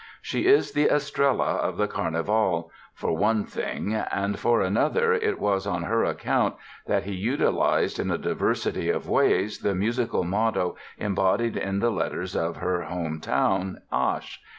She is the Estrella of the "Carnival" for one thing; and, for another, it was on her account that he utilized in a diversity of ways the musical motto embodied in the letters of her home town, Asch.